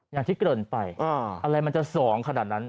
อย่างที่เกินไปอะไรมันจะ๒ขนาดนั้น